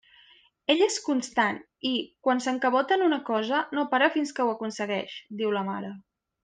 Ell és constant i, quan s'encabota en una cosa, no para fins que ho aconsegueix —diu la mare.